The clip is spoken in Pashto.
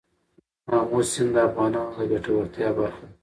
آمو سیند د افغانانو د ګټورتیا برخه ده.